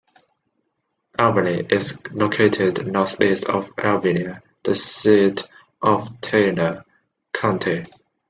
Albany is located northeast of Abilene, the seat of Taylor County.